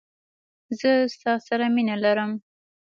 زه ستا سره مینه لرم.